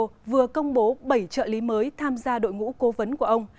chia yoko widodo vừa công bố bảy trợ lý mới tham gia đội ngũ cố vấn của ông